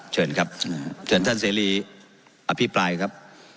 เชิญครับเชิญท่านเสรีอภิปรายครับ